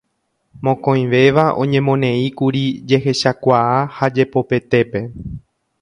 Mokõivéva oñemoneíkuri jehechakuaa ha jepopetépe.